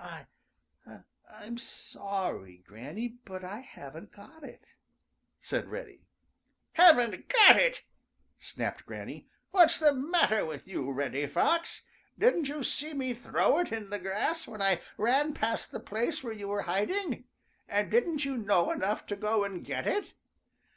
"I I I'm sorry, Granny, but I haven't got it," said Reddy. "Haven't got it!" snapped Granny. "What's the matter with you, Reddy Fox? Didn't you see me throw it in the grass when I ran past the place where you were hiding, and didn't you know enough to go and get it?"